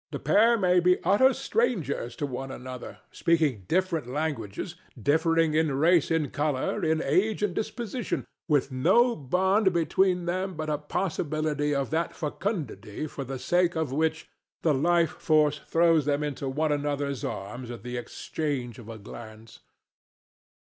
The pair may be utter strangers to one another, speaking different languages, differing in race and color, in age and disposition, with no bond between them but a possibility of that fecundity for the sake of which the Life Force throws them into one another's arms at the exchange of a glance.